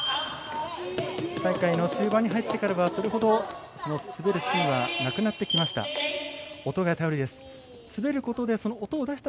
大会の終盤に入ってからはそれほど滑るシーンはなくなってきました。